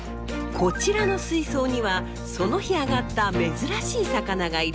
こちらの水槽にはその日あがった珍しい魚が入れられます。